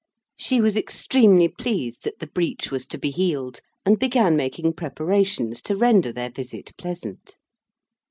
She was extremely pleased that the breach was to be healed, and began making preparations to render their visit pleasant.